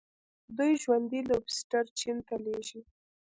دوی ژوندي لوبسټر چین ته لیږي.